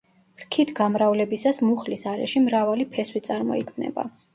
რქით გამრავლებისას მუხლის არეში მრავალი ფესვი წარმოიქმნება.